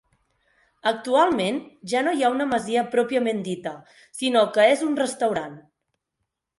Actualment ja no és una masia pròpiament dita, sinó que és un restaurant.